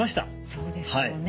そうですよね